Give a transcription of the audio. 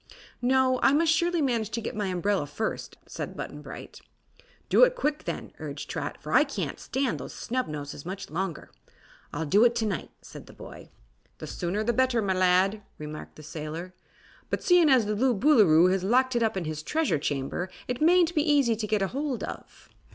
"No; I must surely manage to get my umbrella first," said Button Bright. "Do it quick, then," urged Trot, "for I can't stand those snubnoses much longer." "I'll do it to night," said the boy. "The sooner the better, my lad," remarked the sailor; "but seein' as the Blue Boolooroo has locked it up in his Treasure Chamber, it mayn't be easy to get hold of."